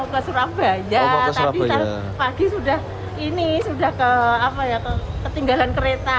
mau ke surabaya pagi sudah ketinggalan kereta